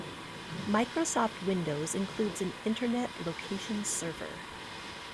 Microsoft Windows includes an Internet Location Server.